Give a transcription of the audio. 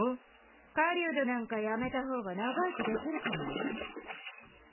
狩人なんかやめた方が長生きできるかもよ。